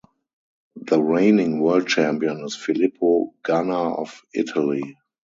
The reigning World Champion is Filippo Ganna of Italy.